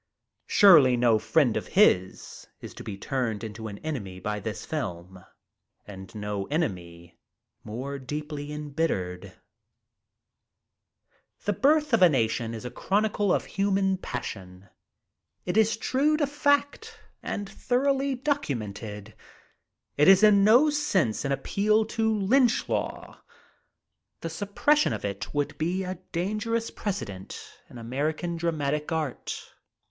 Surely no friend of his is to be turned into an enemy by this film, and no enemy more deeply embittered, "The Birth of a Nation" is a chronicle of human passion. It is true to fact and thoroughly documented. It is in no sense an appeal to lynch law. The suppression of it would be a dangerous precedent in American dramatic art.